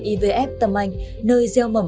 ivf tâm anh nơi gieo mầm